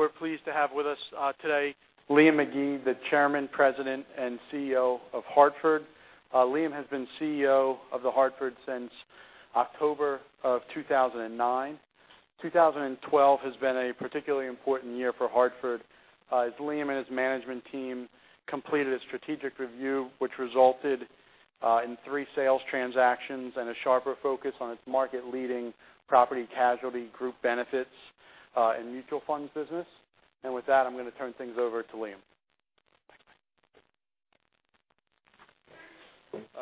We're pleased to have with us today, Liam McGee, the Chairman, President, and CEO of The Hartford. Liam has been CEO of The Hartford since October of 2009. 2012 has been a particularly important year for The Hartford as Liam and his management team completed a strategic review which resulted in three sales transactions and a sharper focus on its market-leading property casualty group benefits and mutual funds business. With that, I'm going to turn things over to Liam.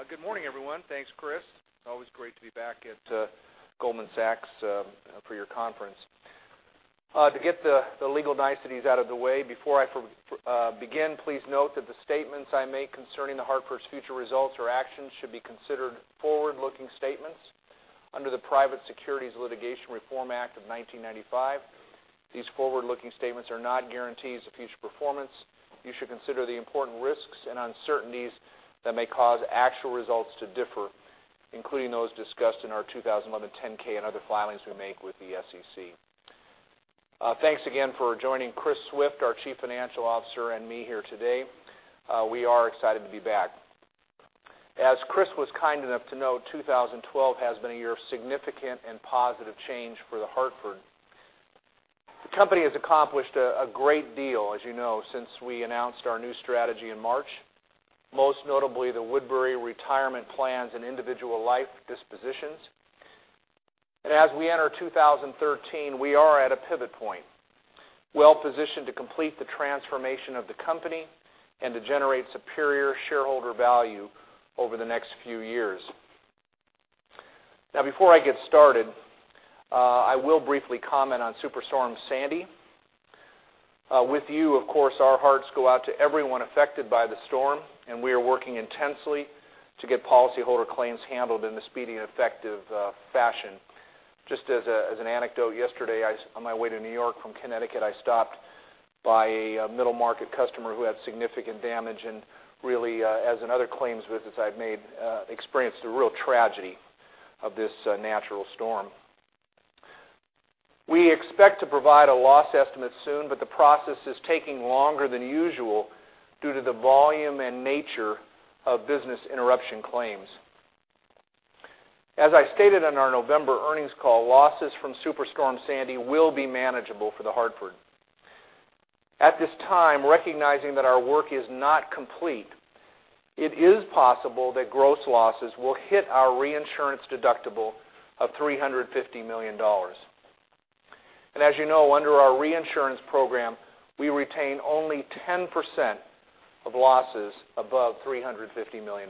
Good morning, everyone. Thanks, Chris. It's always great to be back at Goldman Sachs for your conference. To get the legal niceties out of the way, before I begin, please note that the statements I make concerning The Hartford's future results or actions should be considered forward-looking statements under the Private Securities Litigation Reform Act of 1995. These forward-looking statements are not guarantees of future performance. You should consider the important risks and uncertainties that may cause actual results to differ, including those discussed in our 2011 10-K and other filings we make with the SEC. Thanks again for joining Chris Swift, our Chief Financial Officer, and me here today. We are excited to be back. As Chris was kind enough to note, 2012 has been a year of significant and positive change for The Hartford. The company has accomplished a great deal, as you know, since we announced our new strategy in March, most notably the Woodbury Financial Services and individual life dispositions. As we enter 2013, we are at a pivot point, well-positioned to complete the transformation of the company and to generate superior shareholder value over the next few years. Now, before I get started, I will briefly comment on Superstorm Sandy. With you, of course, our hearts go out to everyone affected by the storm, and we are working intensely to get policyholder claims handled in a speedy and effective fashion. Just as an anecdote, yesterday on my way to New York from Connecticut, I stopped by a middle-market customer who had significant damage and really, as in other claims visits I've made, experienced the real tragedy of this natural storm. We expect to provide a loss estimate soon, but the process is taking longer than usual due to the volume and nature of business interruption claims. As I stated on our November earnings call, losses from Superstorm Sandy will be manageable for The Hartford. At this time, recognizing that our work is not complete, it is possible that gross losses will hit our reinsurance deductible of $350 million. As you know, under our reinsurance program, we retain only 10% of losses above $350 million.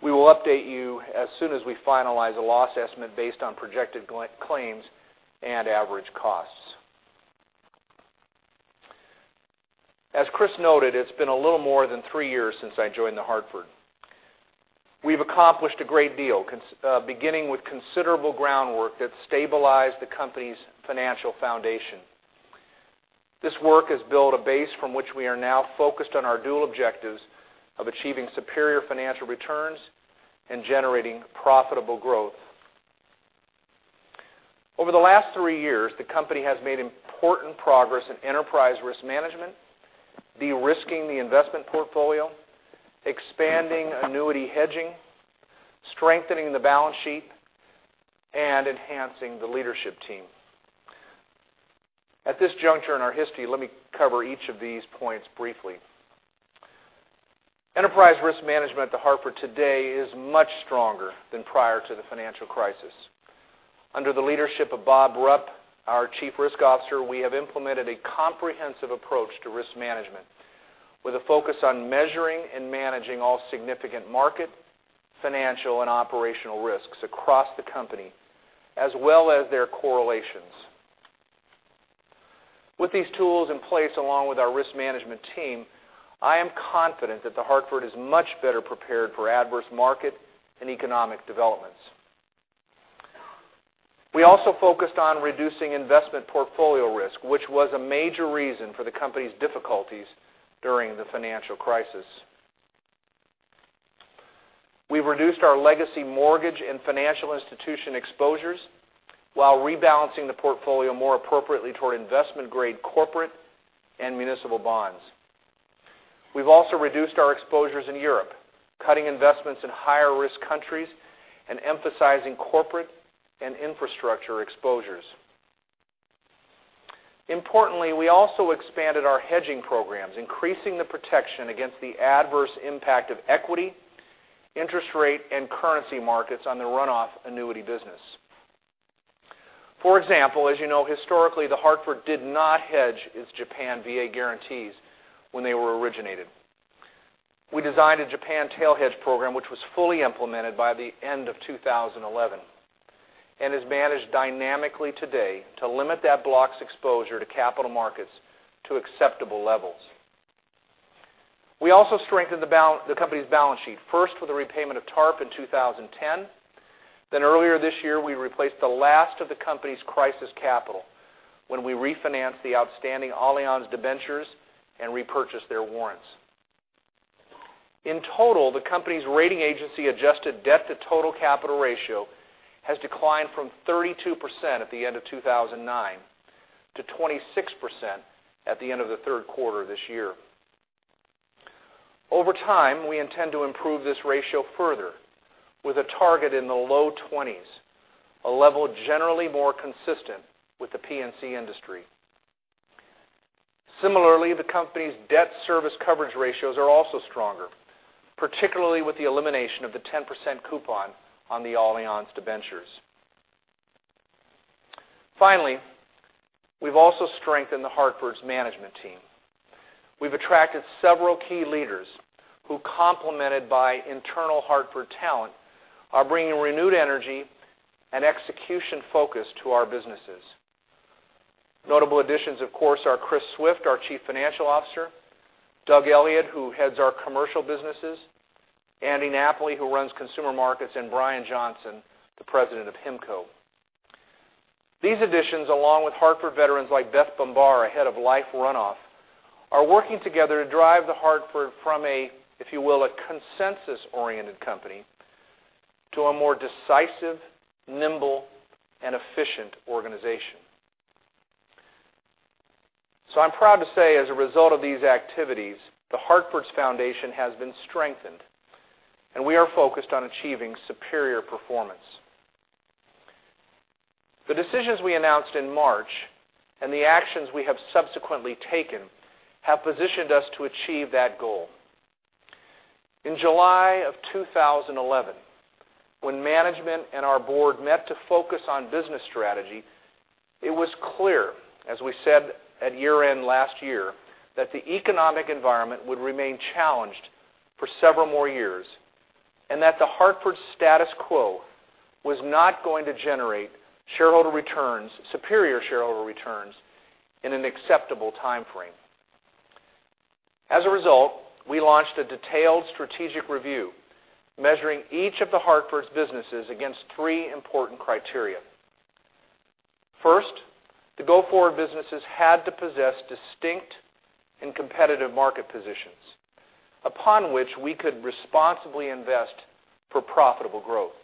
We will update you as soon as we finalize a loss estimate based on projected claims and average costs. As Chris noted, it's been a little more than three years since I joined The Hartford. We've accomplished a great deal, beginning with considerable groundwork that stabilized the company's financial foundation. This work has built a base from which we are now focused on our dual objectives of achieving superior financial returns and generating profitable growth. Over the last three years, the company has made important progress in enterprise risk management, de-risking the investment portfolio, expanding annuity hedging, strengthening the balance sheet, and enhancing the leadership team. At this juncture in our history, let me cover each of these points briefly. Enterprise risk management at The Hartford today is much stronger than prior to the financial crisis. Under the leadership of Bob Rupp, our Chief Risk Officer, we have implemented a comprehensive approach to risk management with a focus on measuring and managing all significant market, financial, and operational risks across the company, as well as their correlations. With these tools in place, along with our risk management team, I am confident that The Hartford is much better prepared for adverse market and economic developments. We also focused on reducing investment portfolio risk, which was a major reason for the company's difficulties during the financial crisis. We've reduced our legacy mortgage and financial institution exposures while rebalancing the portfolio more appropriately toward investment-grade corporate and municipal bonds. We've also reduced our exposures in Europe, cutting investments in higher-risk countries and emphasizing corporate and infrastructure exposures. Importantly, we also expanded our hedging programs, increasing the protection against the adverse impact of equity, interest rate, and currency markets on the run-off annuity business. For example, as you know, historically, The Hartford did not hedge its Japan VA guarantees when they were originated. We designed a Japan tail hedge program, which was fully implemented by the end of 2011 and is managed dynamically today to limit that block's exposure to capital markets to acceptable levels. Earlier this year, we replaced the last of the company's crisis capital when we refinanced the outstanding Allianz debentures and repurchased their warrants. In total, the company's rating agency adjusted debt to total capital ratio has declined from 32% at the end of 2009 to 26% at the end of the third quarter this year. Over time, we intend to improve this ratio further with a target in the low 20s, a level generally more consistent with the P&C industry. Similarly, the company's debt service coverage ratios are also stronger, particularly with the elimination of the 10% coupon on the Allianz debentures. Finally, we've also strengthened The Hartford's management team. We've attracted several key leaders who, complemented by internal Hartford talent, are bringing renewed energy and execution focus to our businesses. Notable additions, of course, are Chris Swift, our chief financial officer, Doug Elliott, who heads our commercial businesses, Andy Napoli, who runs consumer markets, and Brion Johnson, the President of HIMCO. These additions, along with Hartford veterans like Beth Bombara, head of life runoff, are working together to drive The Hartford from a, if you will, a consensus-oriented company to a more decisive, nimble, and efficient organization. I'm proud to say, as a result of these activities, The Hartford's foundation has been strengthened, and we are focused on achieving superior performance. The decisions we announced in March and the actions we have subsequently taken have positioned us to achieve that goal. In July of 2011, when management and our board met to focus on business strategy, it was clear, as we said at year-end last year, that the economic environment would remain challenged for several more years, and that The Hartford status quo was not going to generate superior shareholder returns in an acceptable timeframe. As a result, we launched a detailed strategic review, measuring each of The Hartford's businesses against three important criteria. First, the go-forward businesses had to possess distinct and competitive market positions upon which we could responsibly invest for profitable growth.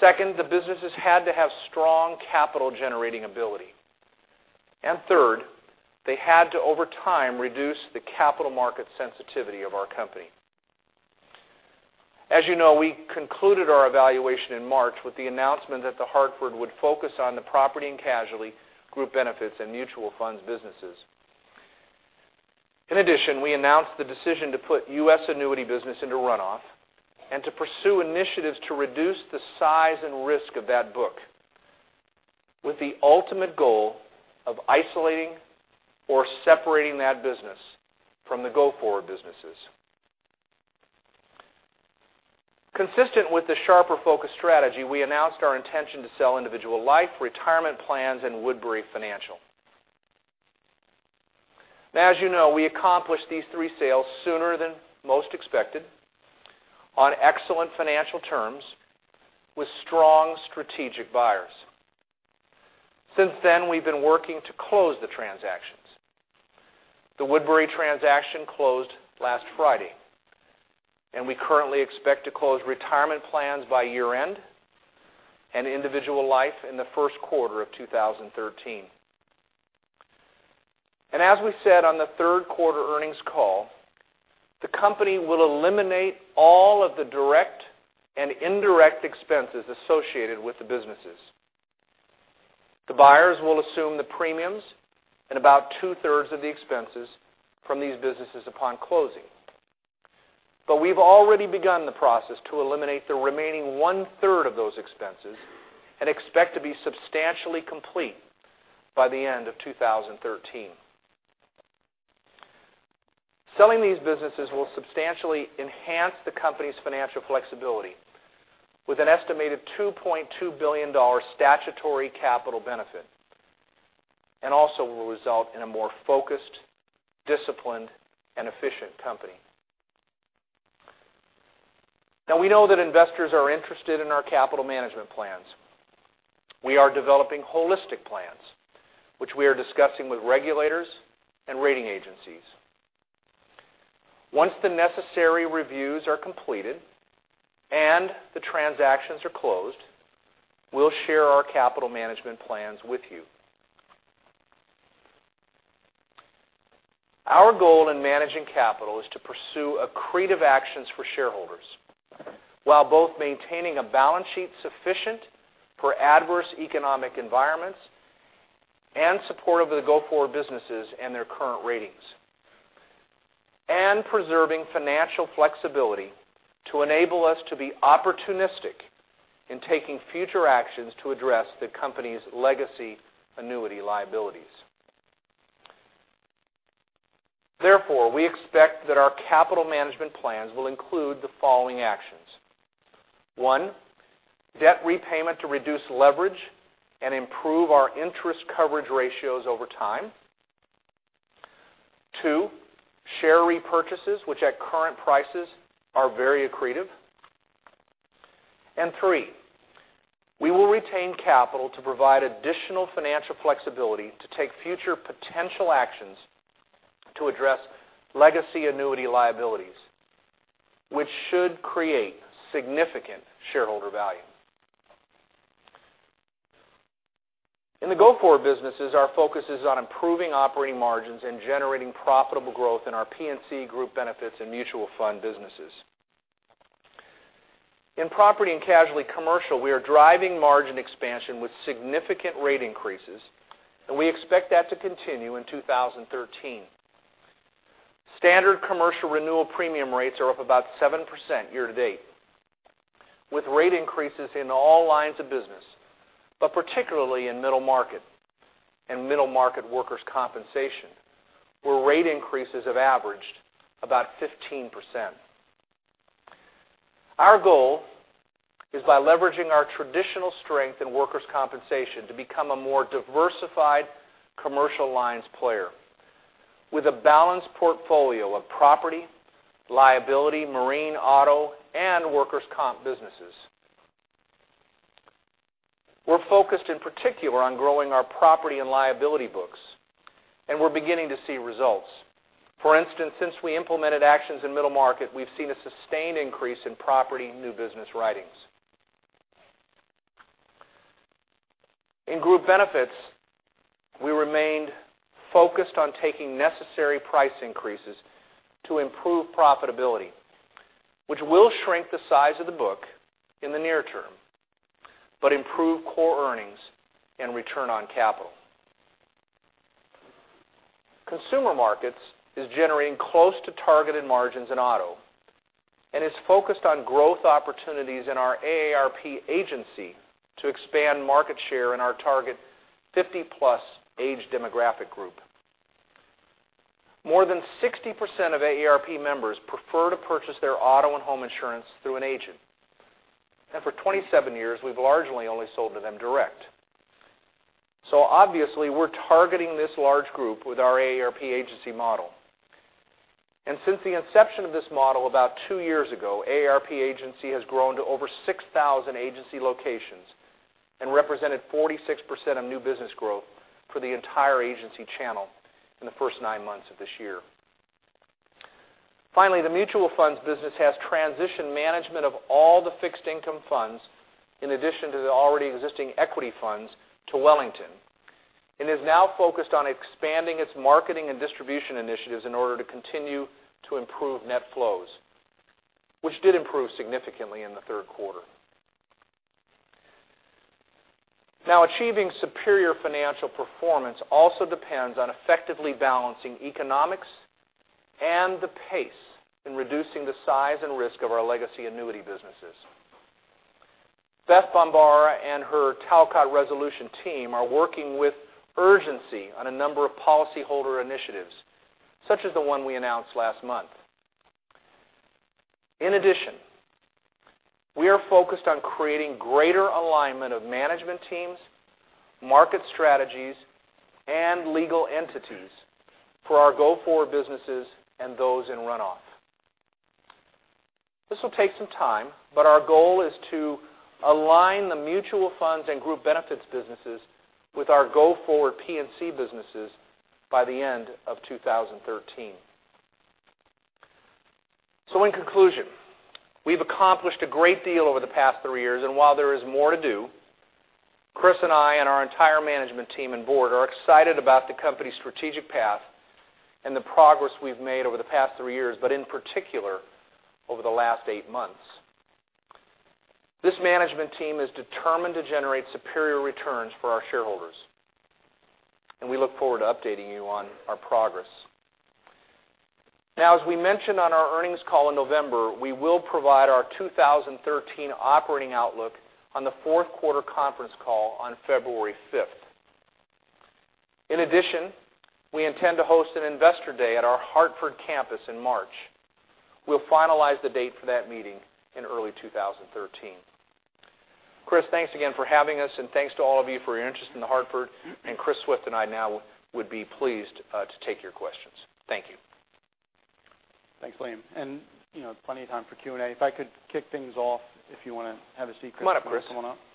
Second, the businesses had to have strong capital-generating ability. Third, they had to, over time, reduce the capital market sensitivity of our company. As you know, we concluded our evaluation in March with the announcement that The Hartford would focus on the property and casualty group benefits and mutual funds businesses. In addition, we announced the decision to put U.S. annuity business into runoff and to pursue initiatives to reduce the size and risk of that book, with the ultimate goal of isolating or separating that business from the go-forward businesses. Consistent with the sharper focus strategy, we announced our intention to sell individual life, retirement plans, and Woodbury Financial. As you know, we accomplished these three sales sooner than most expected on excellent financial terms with strong strategic buyers. Since then, we've been working to close the transactions. The Woodbury transaction closed last Friday, we currently expect to close retirement plans by year-end and individual life in the first quarter of 2013. As we said on the third quarter earnings call, the company will eliminate all of the direct and indirect expenses associated with the businesses. The buyers will assume the premiums and about two-thirds of the expenses from these businesses upon closing. We've already begun the process to eliminate the remaining one-third of those expenses and expect to be substantially complete by the end of 2013. Selling these businesses will substantially enhance the company's financial flexibility with an estimated $2.2 billion statutory capital benefit, and also will result in a more focused, disciplined, and efficient company. We know that investors are interested in our capital management plans. We are developing holistic plans, which we are discussing with regulators and rating agencies. Once the necessary reviews are completed and the transactions are closed, we'll share our capital management plans with you. Our goal in managing capital is to pursue accretive actions for shareholders, while both maintaining a balance sheet sufficient for adverse economic environments and supportive of the go-forward businesses and their current ratings. Preserving financial flexibility to enable us to be opportunistic in taking future actions to address the company's legacy annuity liabilities. Therefore, we expect that our capital management plans will include the following actions. One, debt repayment to reduce leverage and improve our interest coverage ratios over time. Two, share repurchases, which at current prices are very accretive. Three, capital to provide additional financial flexibility to take future potential actions to address legacy annuity liabilities, which should create significant shareholder value. In the go-forward businesses, our focus is on improving operating margins and generating profitable growth in our P&C group benefits and mutual fund businesses. In property and casualty commercial, we are driving margin expansion with significant rate increases, and we expect that to continue in 2013. Standard commercial renewal premium rates are up about 7% year to date, with rate increases in all lines of business, but particularly in middle market and middle market workers' compensation, where rate increases have averaged about 15%. Our goal is by leveraging our traditional strength in workers' compensation to become a more diversified commercial lines player with a balanced portfolio of property, liability, marine, auto, and workers' comp businesses. We're focused in particular on growing our property and liability books, and we're beginning to see results. For instance, since we implemented actions in middle market, we've seen a sustained increase in property new business writings. In group benefits, we remained focused on taking necessary price increases to improve profitability, which will shrink the size of the book in the near term, but improve core earnings and return on capital. Consumer markets is generating close to targeted margins in auto and is focused on growth opportunities in our AARP agency to expand market share in our target 50-plus age demographic group. More than 60% of AARP members prefer to purchase their auto and home insurance through an agent. For 27 years, we've largely only sold to them direct. Obviously, we're targeting this large group with our AARP agency model. Since the inception of this model about 2 years ago, AARP agency has grown to over 6,000 agency locations and represented 46% of new business growth for the entire agency channel in the first nine months of this year. Finally, the mutual funds business has transitioned management of all the fixed income funds, in addition to the already existing equity funds, to Wellington Management, and is now focused on expanding its marketing and distribution initiatives in order to continue to improve net flows, which did improve significantly in the third quarter. Achieving superior financial performance also depends on effectively balancing economics and the pace in reducing the size and risk of our legacy annuity businesses. Beth Bombara and her Talcott Resolution team are working with urgency on a number of policyholder initiatives, such as the one we announced last month. We are focused on creating greater alignment of management teams, market strategies, and legal entities for our go-forward businesses and those in runoff. This will take some time, but our goal is to align the mutual funds and group benefits businesses with our go-forward P&C businesses by the end of 2013. In conclusion, we've accomplished a great deal over the past three years. While there is more to do, Chris and I and our entire management team and board are excited about the company's strategic path and the progress we've made over the past three years, but in particular, over the last eight months. This management team is determined to generate superior returns for our shareholders, and we look forward to updating you on our progress. As we mentioned on our earnings call in November, we will provide our 2013 operating outlook on the fourth quarter conference call on February fifth. We intend to host an investor day at our Hartford campus in March. We'll finalize the date for that meeting in early 2013. Chris, thanks again for having us, and thanks to all of you for your interest in The Hartford. Chris Swift and I now would be pleased to take your questions. Thank you. Thanks, Liam. Plenty of time for Q&A. If I could kick things off, if you want to have a seat, Chris. Come on up. Come on up, Chris.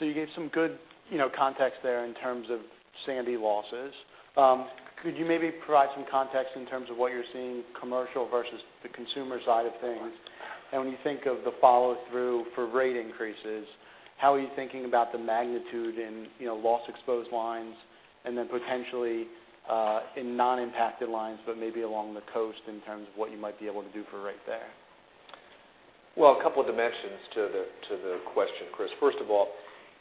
Thank you. You gave some good context there in terms of Sandy losses. Could you maybe provide some context in terms of what you're seeing commercial versus the consumer side of things? Right. When you think of the follow-through for rate increases, how are you thinking about the magnitude in loss exposed lines and then potentially in non-impacted lines, but maybe along the coast in terms of what you might be able to do for rate there? Well, a couple of dimensions to the question, Chris. First of all,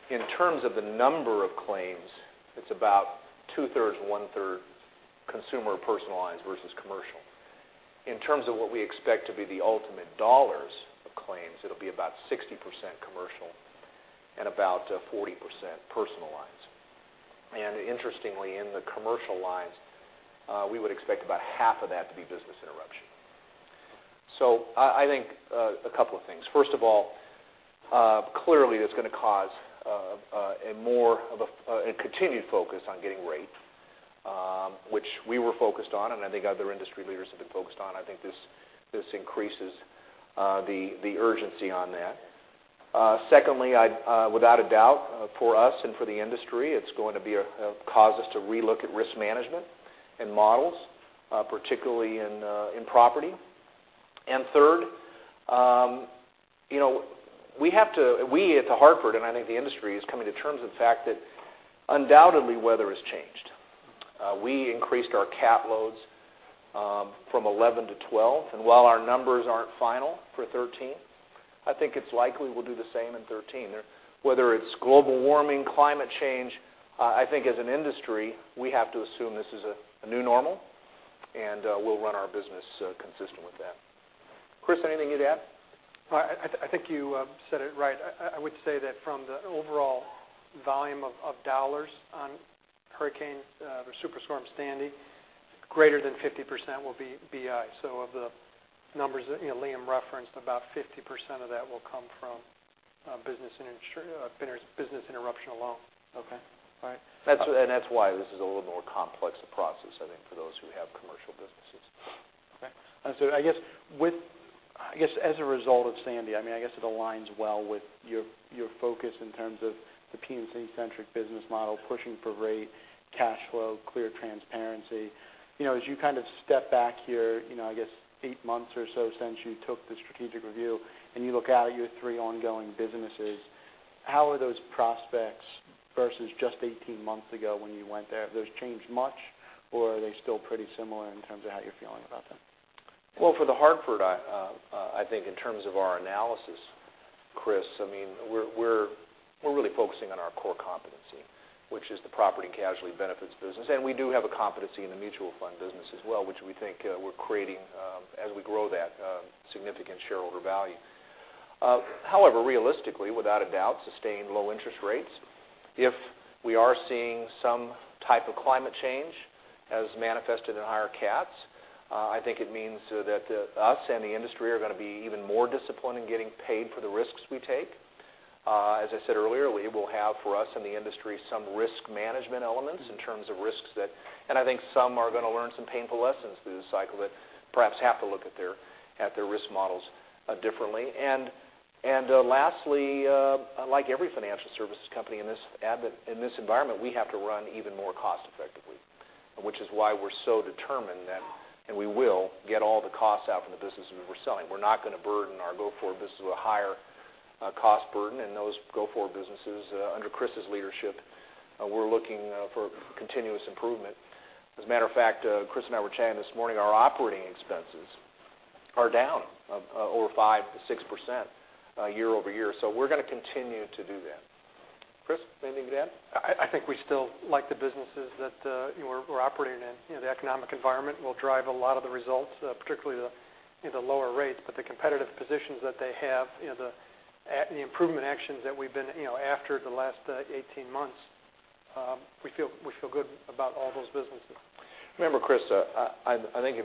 in terms of the number of claims, it's about two-thirds and one-third consumer personal lines versus commercial. In terms of what we expect to be the ultimate dollars of claims, it'll be about 60% commercial and about 40% personal lines. Interestingly, in the commercial lines, we would expect about half of that to be business. So I think a couple of things. First of all, clearly it's going to cause a more of a continued focus on getting rate, which we were focused on, and I think other industry leaders have been focused on. I think this increases the urgency on that. Secondly, without a doubt, for us and for the industry, it's going to cause us to relook at risk management and models, particularly in property. Third, we at The Hartford, and I think the industry, is coming to terms with the fact that undoubtedly weather has changed. We increased our cat loads from 2011 to 2012, and while our numbers aren't final for 2013, I think it's likely we'll do the same in 2013. Whether it's global warming, climate change, I think as an industry, we have to assume this is a new normal, and we'll run our business consistent with that. Chris, anything you'd add? I think you said it right. I would say that from the overall volume of dollars on Hurricane or Superstorm Sandy, greater than 50% will be BI. Of the numbers that Liam referenced, about 50% of that will come from business interruption alone. Okay. All right. That's why this is a little more complex a process, I think, for those who have commercial businesses. I guess as a result of Sandy, I guess it aligns well with your focus in terms of the P&C centric business model, pushing for rate, cash flow, clear transparency. As you kind of step back here, I guess eight months or so since you took the strategic review and you look out at your three ongoing businesses, how are those prospects versus just 18 months ago when you went there? Have those changed much, or are they still pretty similar in terms of how you're feeling about them? For The Hartford, I think in terms of our analysis, Chris, we're really focusing on our core competency, which is the property casualty benefits business. We do have a competency in the mutual fund business as well, which we think we're creating, as we grow that, significant shareholder value. However, realistically, without a doubt, sustained low interest rates, if we are seeing some type of climate change as manifested in higher cats, I think it means that us and the industry are going to be even more disciplined in getting paid for the risks we take. As I said earlier, we will have for us in the industry some risk management elements in terms of risks, and I think some are going to learn some painful lessons through the cycle that perhaps have to look at their risk models differently. Lastly, like every financial services company in this environment, we have to run even more cost effectively, which is why we're so determined that, and we will, get all the costs out from the businesses we're selling. We're not going to burden our go-forward business with a higher cost burden. In those go-forward businesses under Chris' leadership, we're looking for continuous improvement. As a matter of fact, Chris and I were chatting this morning, our operating expenses are down over 5%-6% year-over-year. We're going to continue to do that. Chris, anything to add? I think we still like the businesses that we're operating in. The economic environment will drive a lot of the results, particularly the lower rates, but the competitive positions that they have, the improvement actions that we've been after the last 18 months, we feel good about all those businesses. Remember, Chris, I think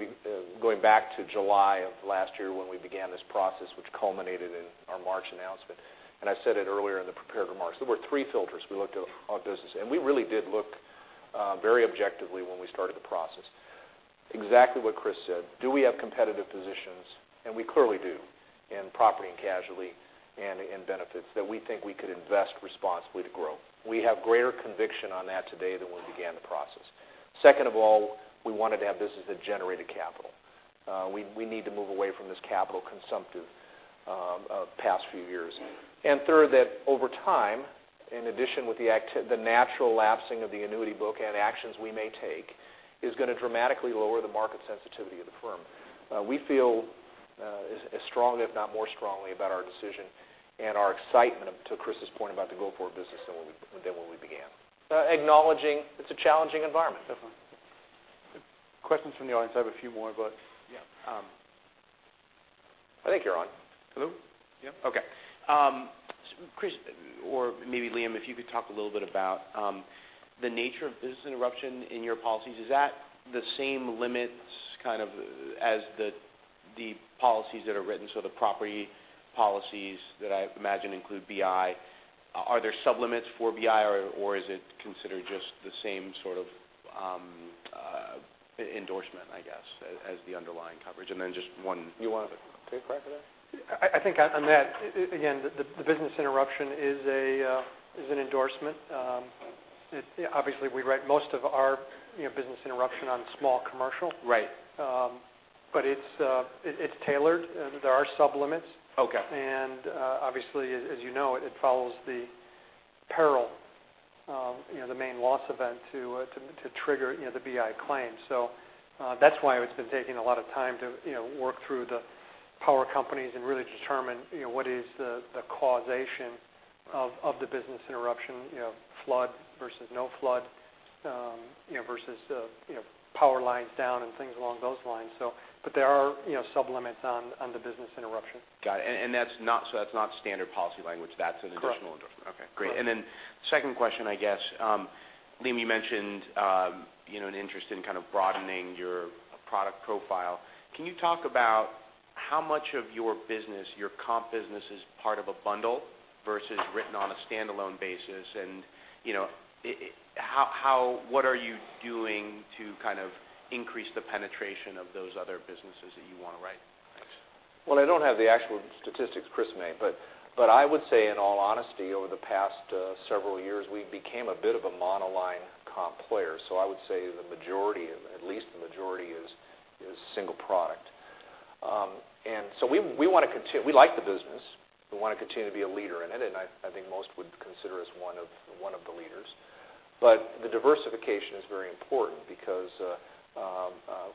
going back to July of last year when we began this process, which culminated in our March announcement, I said it earlier in the prepared remarks, there were three filters we looked at our business. We really did look very objectively when we started the process. Exactly what Chris said. Do we have competitive positions? We clearly do in property and casualty and in benefits that we think we could invest responsibly to grow. We have greater conviction on that today than when we began the process. Second of all, we wanted to have businesses that generated capital. We need to move away from this capital consumptive past few years. Third, that over time, in addition with the natural lapsing of the annuity book and actions we may take, is going to dramatically lower the market sensitivity of the firm. We feel as strongly, if not more strongly, about our decision and our excitement, to Chris's point, about the go-forward business than when we began. Acknowledging it's a challenging environment. Definitely. Questions from the audience. I have a few more. Yeah. I think you're on. Hello? Yeah. Okay. Chris, or maybe Liam, if you could talk a little bit about the nature of business interruption in your policies. Is that the same limits kind of as the policies that are written? The property policies that I imagine include BI. Are there sub-limits for BI, or is it considered just the same sort of endorsement, I guess, as the underlying coverage? You want to take a crack at that? I think on that, again, the business interruption is an endorsement. Obviously, we write most of our business interruption on small commercial. Right. It's tailored. There are sub-limits. Okay. Obviously, as you know, it follows the peril, the main loss event to trigger the BI claim. That's why it's been taking a lot of time to work through the power companies and really determine what is the causation of the business interruption, flood versus no flood versus power lines down and things along those lines. There are sub-limits on the business interruption. Got it. That's not standard policy language. That's an additional endorsement. Correct. Okay, great. Second question, I guess Liam, you mentioned an interest in kind of broadening your product profile. Can you talk about how much of your business, your comp business, is part of a bundle versus written on a standalone basis? What are you doing to increase the penetration of those other businesses that you want to write? Thanks. Well, I don't have the actual statistics, Chris, in May, but I would say, in all honesty, over the past several years, we became a bit of a monoline comp player. I would say the majority, at least the majority, is single product. We like the business. We want to continue to be a leader in it, and I think most would consider us one of the leaders. The diversification is very important because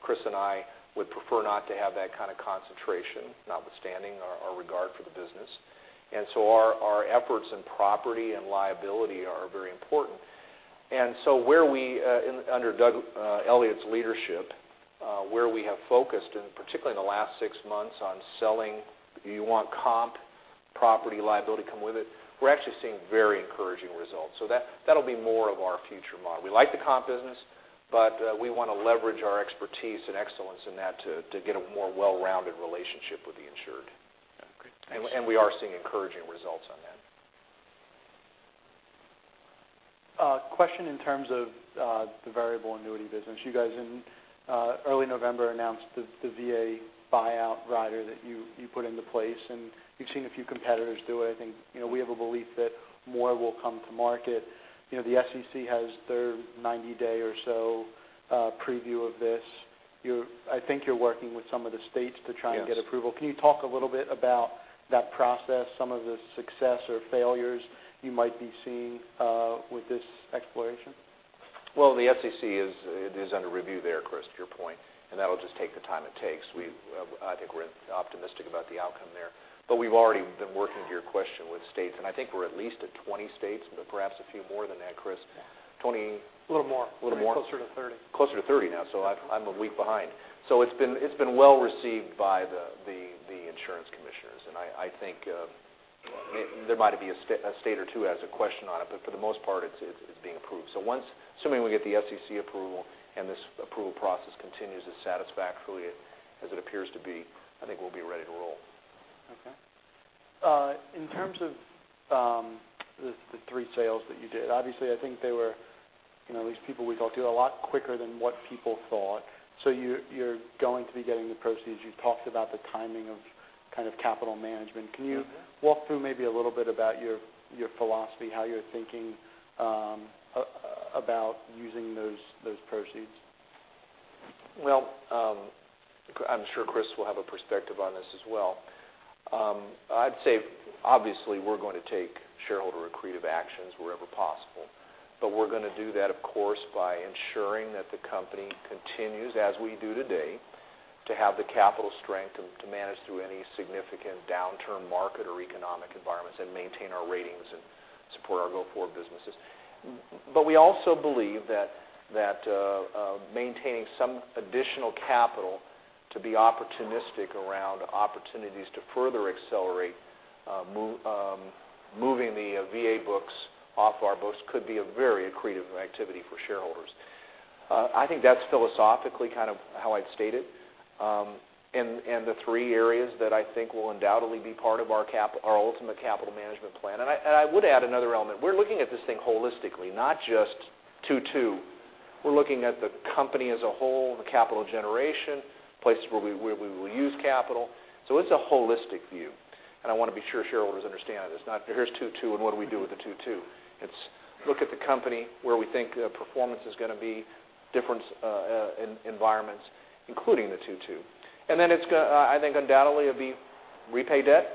Chris and I would prefer not to have that kind of concentration, notwithstanding our regard for the business. Our efforts in property and liability are very important. Under Doug Elliot's leadership, where we have focused, and particularly in the last six months on selling, you want comp, property liability come with it. We're actually seeing very encouraging results. That'll be more of our future model. We like the comp business, but we want to leverage our expertise and excellence in that to get a more well-rounded relationship with the insured. Okay, great. Thanks. We are seeing encouraging results on that. A question in terms of the variable annuity business. You guys in early November announced the VA buyout rider that you put into place, and we've seen a few competitors do it. I think we have a belief that more will come to market. The SEC has their 90-day or so preview of this. I think you're working with some of the states to try and get approval. Yes. Can you talk a little bit about that process, some of the success or failures you might be seeing with this exploration? Well, the SEC is under review there, Chris, to your point, and that'll just take the time it takes. I think we're optimistic about the outcome there. We've already been working, to your question, with states, and I think we're at least at 20 states, but perhaps a few more than that, Chris. A little more. A little more? Closer to 30. Closer to 30 now, I'm a week behind. It's been well-received by the insurance commissioners, and I think there might be a state or two has a question on it, but for the most part, it's being approved. Assuming we get the SEC approval and this approval process continues as satisfactorily as it appears to be, I think we'll be ready to roll. Okay. In terms of the three sales that you did, obviously, I think they were, at least people we talked to, a lot quicker than what people thought. You're going to be getting the proceeds. You talked about the timing of capital management. Can you walk through maybe a little bit about your philosophy, how you're thinking about using those proceeds? Well, I'm sure Chris will have a perspective on this as well. I'd say obviously we're going to take shareholder accretive actions wherever possible, but we're going to do that, of course, by ensuring that the company continues as we do today, to have the capital strength to manage through any significant downturn market or economic environments and maintain our ratings and support our go-forward businesses. We also believe that maintaining some additional capital to be opportunistic around opportunities to further accelerate moving the VA books off our books could be a very accretive activity for shareholders. I think that's philosophically kind of how I'd state it. The three areas that I think will undoubtedly be part of our ultimate capital management plan. I would add another element. We're looking at this thing holistically, not just two. We're looking at the company as a whole, the capital generation, places where we will use capital. It's a holistic view, and I want to be sure shareholders understand this. Not here's two, and what do we do with the two? It's look at the company where we think performance is going to be different in environments, including the two. Then I think undoubtedly it'll be repay debt.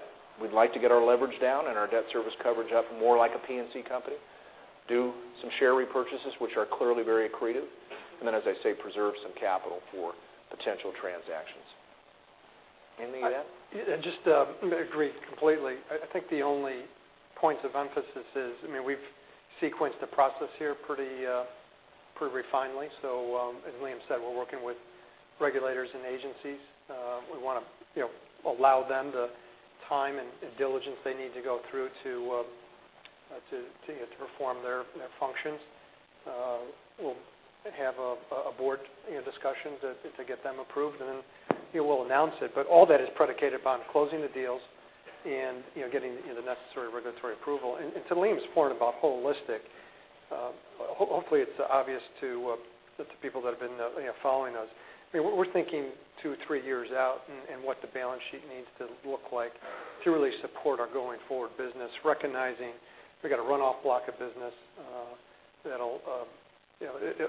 We'd like to get our leverage down and our debt service coverage up more like a P&C company. Do some share repurchases, which are clearly very accretive. Then, as I say, preserve some capital for potential transactions. Anything to add? I just agree completely. I think the only points of emphasis is, we've sequenced the process here pretty refinedly. As Liam said, we're working with regulators and agencies. We want to allow them the time and diligence they need to go through to perform their functions. We'll have a board discussion to get them approved, and then we'll announce it. All that is predicated upon closing the deals and getting the necessary regulatory approval. To Liam's point about holistic, hopefully it's obvious to the people that have been following us. We're thinking two, three years out and what the balance sheet needs to look like to really support our going forward business, recognizing we've got a runoff block of business.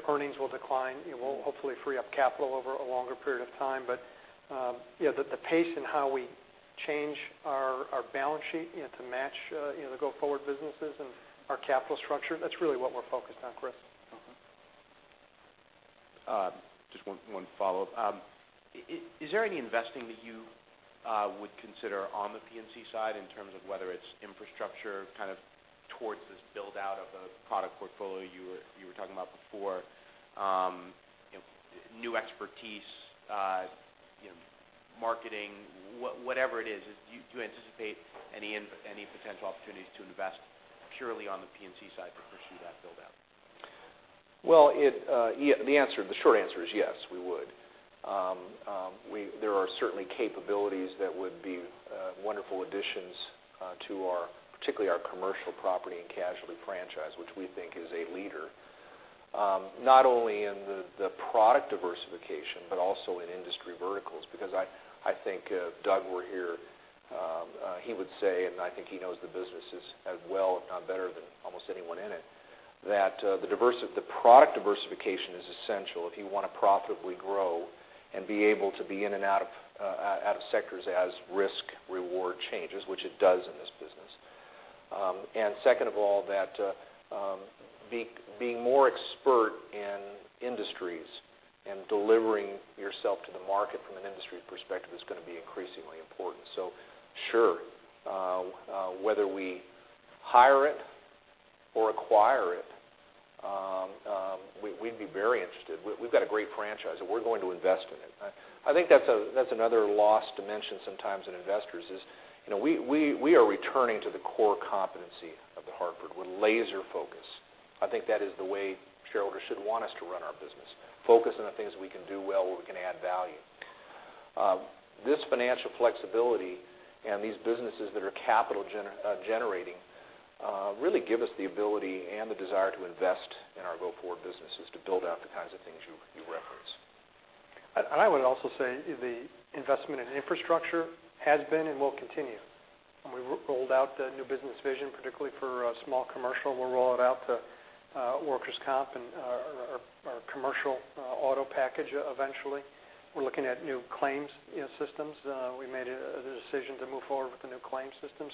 Earnings will decline. We'll hopefully free up capital over a longer period of time. The pace in how we change our balance sheet to match the go-forward businesses and our capital structure, that's really what we're focused on, Chris. Okay. Just one follow-up. Is there any investing that you would consider on the P&C side in terms of whether it's infrastructure kind of towards this build-out of the product portfolio you were talking about before? New expertise marketing, whatever it is. Do you anticipate any potential opportunities to invest purely on the P&C side to pursue that build-out? The short answer is yes, we would. There are certainly capabilities that would be wonderful additions to particularly our commercial property and casualty franchise, which we think is a leader. Not only in the product diversification, but also in industry verticals. Because I think if Doug were here, he would say, and I think he knows the businesses as well, if not better than almost anyone in it, that the product diversification is essential if you want to profitably grow and be able to be in and out of sectors as risk-reward changes, which it does in this business. Second of all, that being more expert in industries and delivering yourself to the market from an industry perspective is going to be increasingly important. Sure, whether we hire it or acquire it, we'd be very interested. We've got a great franchise, we're going to invest in it. I think that's another lost dimension sometimes in investors is, we are returning to the core competency of The Hartford with laser focus. I think that is the way shareholders should want us to run our business, focus on the things we can do well, where we can add value. This financial flexibility and these businesses that are capital generating really give us the ability and the desire to invest in our go-forward businesses to build out the kinds of things you reference. I would also say the investment in infrastructure has been and will continue. When we rolled out the new business vision, particularly for small commercial, we'll roll it out to workers' comp and our commercial auto package eventually. We're looking at new claims systems. We made a decision to move forward with the new claims system.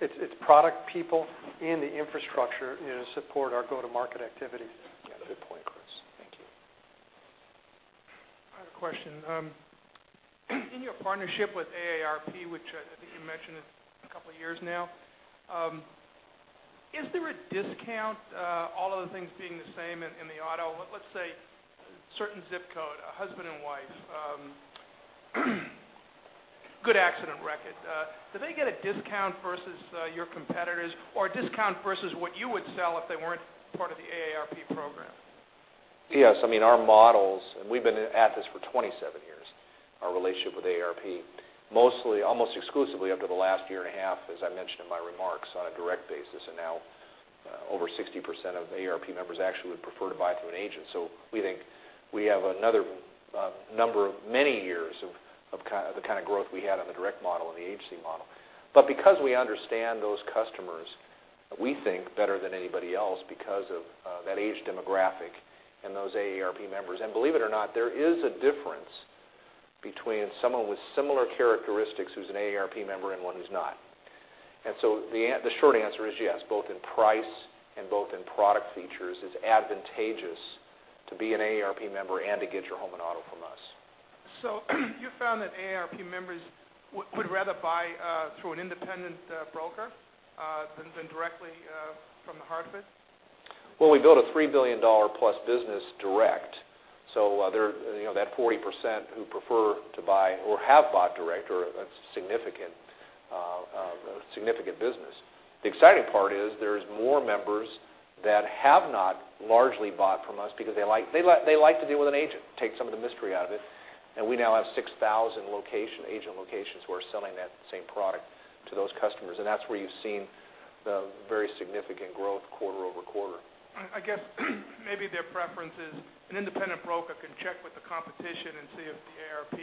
It's product people in the infrastructure support our go-to-market activity. Yeah, good point, Chris. Thank you. I have a question. In your partnership with AARP, which I think you mentioned it's a couple of years now, is there a discount, all other things being the same in the auto, let's say, certain zip code, a husband and wife, good accident record. Do they get a discount versus your competitors, or a discount versus what you would sell if they weren't part of the AARP program? Yes. Our models, we've been at this for 27 years, our relationship with AARP, mostly almost exclusively up to the last year and a half, as I mentioned in my remarks, on a direct basis, now over 60% of AARP members actually would prefer to buy through an agent. We think we have another number of many years of the kind of growth we had on the direct model and the agency model. Because we understand those customers, we think, better than anybody else because of that age demographic and those AARP members, believe it or not, there is a difference between someone with similar characteristics who's an AARP member and one who's not. The short answer is yes, both in price and both in product features is advantageous to be an AARP member and to get your home and auto from us. You found that AARP members would rather buy through an independent broker than directly from The Hartford? Well, we built a $3 billion plus business direct, that 40% who prefer to buy or have bought direct, that's a significant business. The exciting part is there's more members that have not largely bought from us because they like to deal with an agent, take some of the mystery out of it. We now have 6,000 agent locations who are selling that same product to those customers, that's where you've seen the very significant growth quarter-over-quarter. I guess maybe their preference is an independent broker can check with the competition and see if the AARP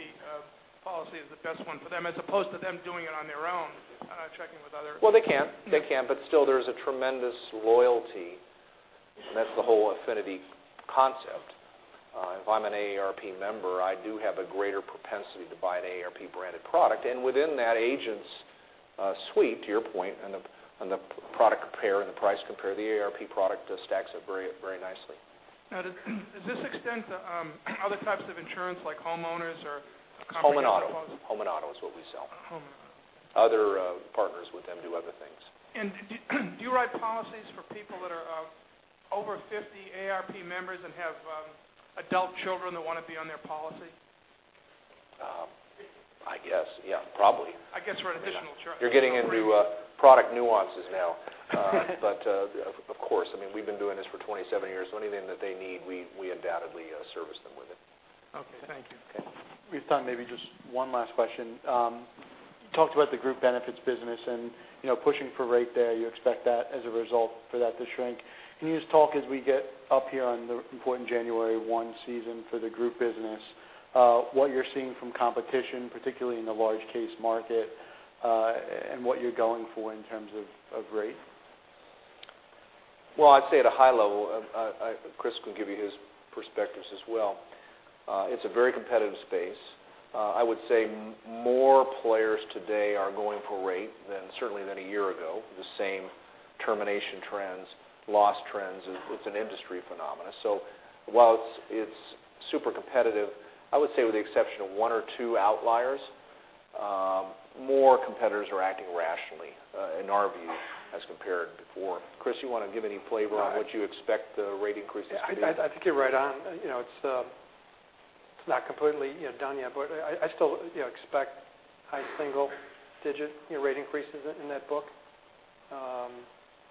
policy is the best one for them, as opposed to them doing it on their own and not checking with others. Well, they can. Yeah. They can, still, there's a tremendous loyalty, and that's the whole affinity concept. If I'm an AARP member, I do have a greater propensity to buy an AARP-branded product. Within that agent's suite, to your point, on the product compare and the price compare, the AARP product stacks up very nicely. Now, does this extend to other types of insurance like homeowners or comprehensive home? Home and auto is what we sell. Home and auto. Other partners with them do other things. Do you write policies for people that are over 50, AARP members, and have adult children that want to be on their policy? I guess, yeah, probably. I guess for an additional charge. You're getting into product nuances now. Of course. We've been doing this for 27 years. Anything that they need, we undoubtedly service them with it. Okay. Thank you. Okay. We have time maybe for just one last question. You talked about the group benefits business and pushing for rate there. You expect that as a result for that to shrink. Can you just talk as we get up here on the important January 1 season for the group business, what you're seeing from competition, particularly in the large case market, and what you're going for in terms of rate? Well, I'd say at a high level, Chris can give you his perspectives as well. It's a very competitive space. I would say more players today are going for rate than certainly than a year ago, the same termination trends, loss trends. It's an industry phenomenon. While it's super competitive, I would say with the exception of one or two outliers, more competitors are acting rationally, in our view, as compared before. Chris, you want to give any flavor on what you expect the rate increase to be? I think you're right on. It's not completely done yet, but I still expect high single-digit rate increases in that book,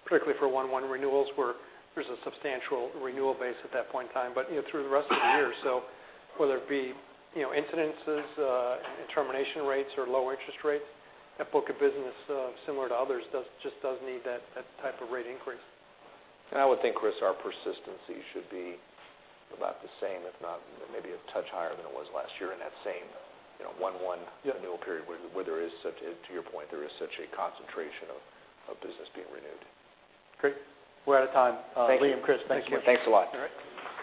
particularly for 1/1 renewals where there's a substantial renewal base at that point in time, but through the rest of the year. Whether it be incidences in termination rates or low interest rates, that book of business, similar to others, just does need that type of rate increase. I would think, Chris, our persistency should be about the same, if not maybe a touch higher than it was last year in that same 1/1- Yeah renewal period where there is, to your point, there is such a concentration of business being renewed. Great. We're out of time. Thank you. Liam, Chris, thank you much. Thanks a lot. All right.